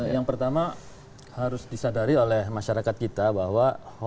yang pertama harus disadari oleh masyarakat kita bahwa